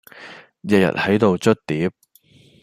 日日喺度捽碟